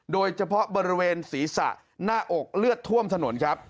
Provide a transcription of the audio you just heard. โดยเฉพาะบริเวณศีรษะหน้าอกเลือดท่วมถนนครับ